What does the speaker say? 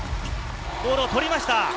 ボールを取りました。